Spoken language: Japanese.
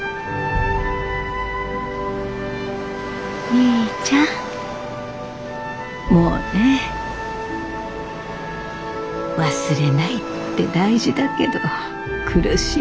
みーちゃんモネ忘れないって大事だけど苦しい。